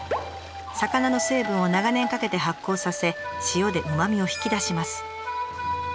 魚の成分を長年かけて発酵させ塩でうまみを引き出します。